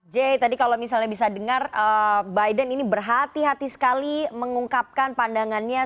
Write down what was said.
j tadi kalau misalnya bisa dengar biden ini berhati hati sekali mengungkapkan pandangannya